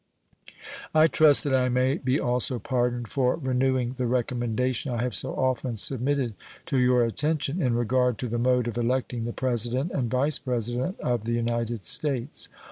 I trust that I may be also pardoned for renewing the recommendation I have so often submitted to your attention in regard to the mode of electing the President and Vice President of the United States.